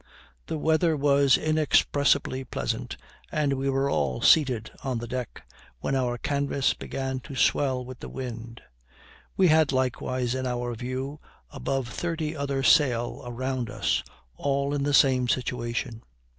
The weather was inexpressibly pleasant, and we were all seated on the deck, when our canvas began to swell with the wind. We had likewise in our view above thirty other sail around us, all in the same situation.